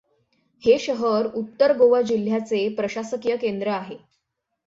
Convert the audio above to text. हे शहर उत्तर गोवा जिल्ह्याचे प्रशासकीय केंद्र आहे.